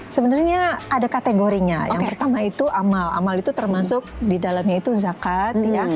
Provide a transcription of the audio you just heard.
sebenarnya ada kategorinya yang pertama itu amal amal itu termasuk di dalamnya itu zakat ya